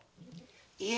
いえ。